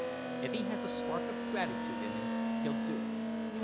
If he has a spark of gratitude in him, he'll do it.